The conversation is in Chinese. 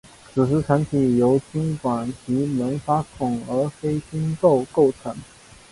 子实层体由菌管及萌发孔而非菌褶构成。